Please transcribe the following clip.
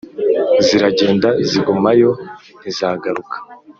ziragenda, zigumayo ntizagaruka